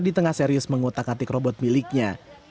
di tengah serius mengutak atik robot miliknya